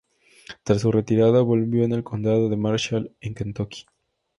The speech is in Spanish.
Tras su retirada, vivió en el condado de Marshall, en Kentucky.